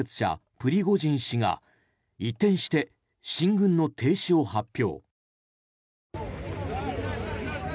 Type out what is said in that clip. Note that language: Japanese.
プリゴジン氏が一転して、進軍の停止を発表。